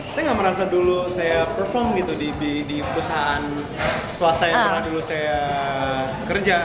saya nggak merasa dulu saya perform gitu di perusahaan swasta yang pernah dulu saya kerja